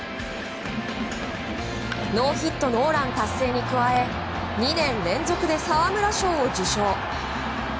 ノーヒットノーラン達成に加え２年連続で沢村賞を受賞。